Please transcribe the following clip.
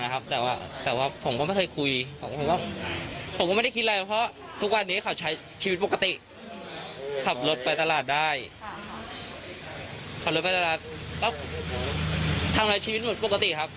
ให้ถึงที่สุดนะครับลูกผมทั้งคนนะครับ